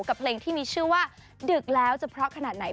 กับเพลงที่มีชื่อว่าดึกแล้วจะเพราะขนาดไหน